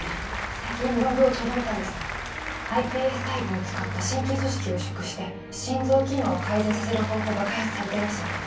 最近論文をちょうど見たんですｉＰＳ細胞を使った心筋組織を移植して心臓機能を改善させる方法が開発されていますよね